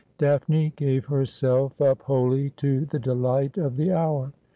Daphne gave herself up wholly to the delight of the hour.